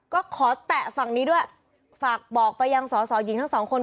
ก็ขอแตะฝั่งนี้ด้วยฝากบอกไปยังสอสอหญิงทั้งสองคน